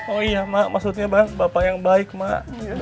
oh iya mak maksudnya bang bapak yang baik mak